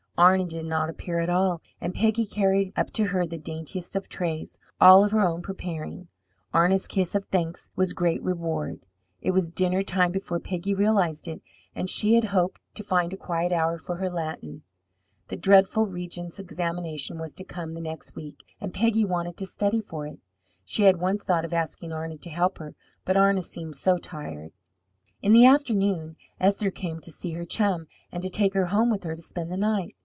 Arna did not appear at all, and Peggy carried up to her the daintiest of trays, all of her own preparing. Arna's kiss of thanks was great reward. It was dinner time before Peggy realized it, and she had hoped to find a quiet hour for her Latin. The dreadful regent's examination was to come the next week, and Peggy wanted to study for it. She had once thought of asking Arna to help her, but Arna seemed so tired. In the afternoon Esther came to see her chum, and to take her home with her to spend the night.